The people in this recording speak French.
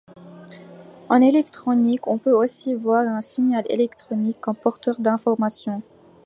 En électronique, on peut aussi voir un signal électrique comme porteur d’information.